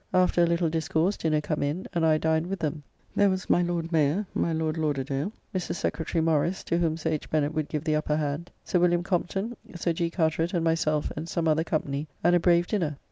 After a little discourse, dinner come in; and I dined with them. There was my Lord Mayor, my Lord Lauderdale, Mr. Secretary Morris, to whom Sir H. Bennet would give the upper hand; Sir Wm. Compton, Sir G. Carteret, and myself, and some other company, and a brave dinner.